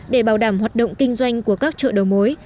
để bảo đảm hoạt động kinh doanh của các chợ đầu mối